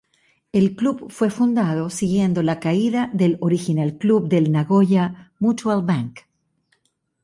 El club fue fundado siguiendo la caída del original club del Nagoya Mutual Bank.